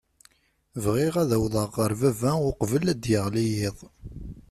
Bɣiɣ ad awḍeɣ ɣer baba uqbel ad d-yeɣli yiḍ.